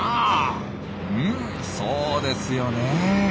うんそうですよねえ。